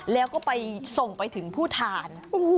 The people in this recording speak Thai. แล้วก็ไปส่งไปถึงผู้ทาน